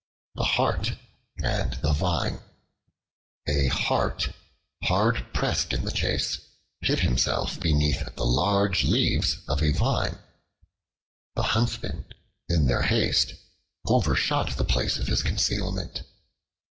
The Hart and the Vine A HART, hard pressed in the chase, hid himself beneath the large leaves of a Vine. The huntsmen, in their haste, overshot the place of his concealment.